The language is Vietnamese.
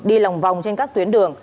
đi lòng vòng trên các tuyến đường